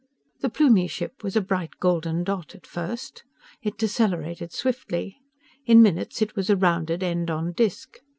The Plumie ship was a bright golden dot, at first. It decelerated swiftly. In minutes it was a rounded, end on disk.